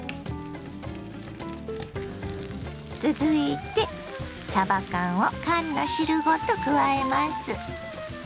続いてさば缶を缶の汁ごと加えます。